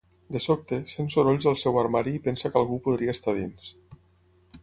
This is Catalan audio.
De sobte, sent sorolls al seu armari i pensa que algú podria estar dins.